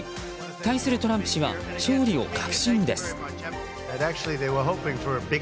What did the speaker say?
対するトランプ氏は勝利を確信です。